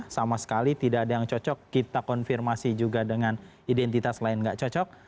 sama sekali tidak ada yang cocok kita konfirmasi juga dengan identitas lain nggak cocok